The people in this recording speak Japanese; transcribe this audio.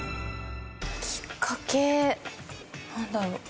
きっかけなんだろう？